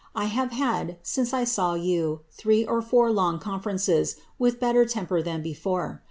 I have had, since I saw e or four long conferences, with better temper than before.